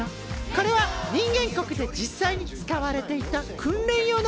これは人間国で実際に使われていた訓練用の機械だよ。